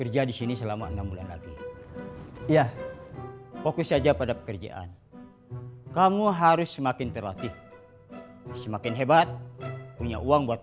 coba kamu kontak dia